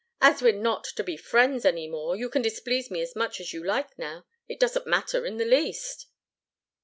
"As we're not to be friends any more, you can displease me as much as you like now. It doesn't matter in the least!"